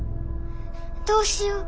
どうしよう。